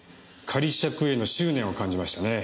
仮釈への執念を感じましたね。